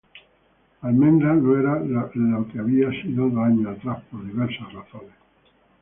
Almendra no era lo que había sido dos años atrás, por diversas razones.